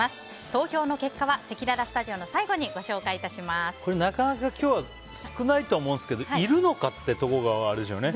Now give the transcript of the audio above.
投票の結果はせきららスタジオの最後にこれ、なかなか今日少ないと思うんですけどいるのかってところがあれでしょうね。